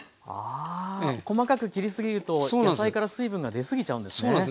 あ細かく切りすぎると野菜から水分が出すぎちゃうんですね。